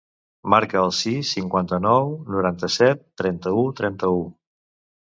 Marca el sis, cinquanta-nou, noranta-set, trenta-u, trenta-u.